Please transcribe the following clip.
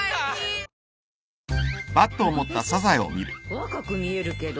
若く見えるけど。